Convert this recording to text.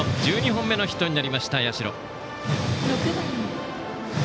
１２本目のヒットになりました社。